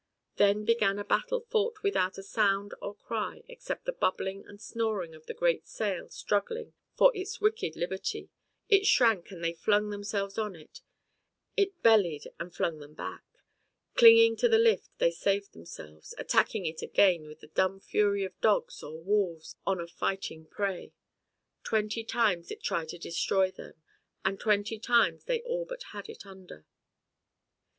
Then began a battle fought without a sound or cry except the bubbling and snoring of the great sail struggling for its wicked liberty, it shrank and they flung themselves on it, it bellied and flung them back, clinging to the lift they saved themselves, attacking it again with the dumb fury of dogs or wolves on a fighting prey. Twenty times it tried to destroy them and twenty times they all but had it under.